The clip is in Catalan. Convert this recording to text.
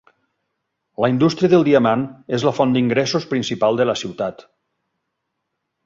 La indústria del diamant és la font d'ingressos principal de la ciutat.